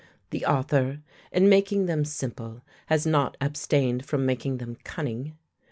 The author, in making them simple, has not abstained from making them cunning.